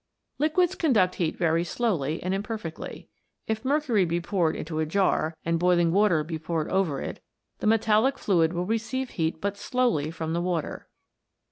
Liquids conduct heat very slowly and imperfectly. If mercury be poured into a jar, and boiling water be poured over it, the metallic fluid will receive heat but slowly from the water.